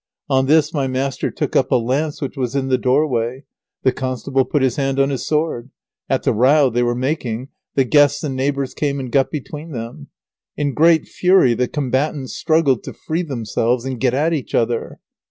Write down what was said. On this my master took up a lance which was in the doorway. The constable put his hand on his sword. At the row they were making the guests and neighbours came and got between them. In great fury the combatants struggled to free themselves and get at each other.